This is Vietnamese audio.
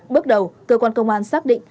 bước đầu cơ quan công an xác định